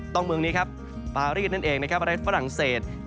ต้องเมืองนี้ครับปราฤทธิ์นั่นเองนะครับปราฤทธิ์ฝรั่งเศส